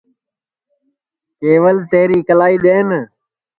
کیول تیری اِکلائی دؔیں